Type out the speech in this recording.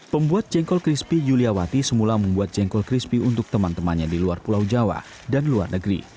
pembuat jengkol crispy yuliawati semula membuat jengkol crispy untuk teman temannya di luar pulau jawa dan luar negeri